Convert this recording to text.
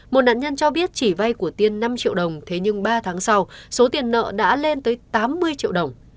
một nạn nhân cho biết chỉ vay của tiên năm triệu đồng thế nhưng ba tháng sau số tiền nợ đã lên tới tám mươi triệu đồng